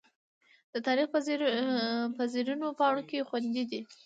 د تاریخ په زرینو پاڼو کې خوندي دي.